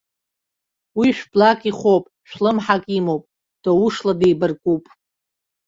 Уи шә-блак ихоуп, шә-лымҳак имоуп, доушла деибаркуп.